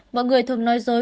mọi người thường nói dối